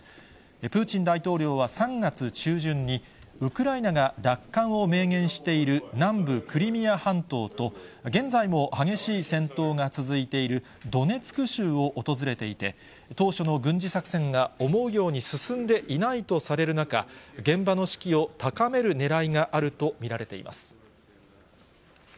プーチン大統領は、３月中旬に、ウクライナが奪還を明言している南部クリミア半島と、現在も激しい戦闘が続いているドネツク州を訪れていて、当初の軍事作戦が思うように進んでいないとされる中、現場の士気を高めるねらいがあると見られています。